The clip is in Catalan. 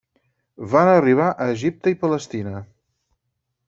Van arribar a Egipte i Palestina.